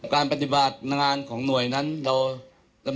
การปฏิบัติงานของหน่วยนั้นเรา